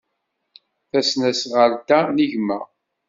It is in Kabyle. Tasnasɣalt-a n gma.